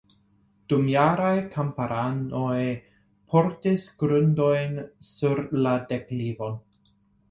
Dum jaroj kamparanoj portis grundojn sur la deklivon.